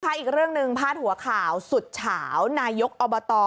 อีกเรื่องหนึ่งพาดหัวข่าวสุดเฉานายกอบต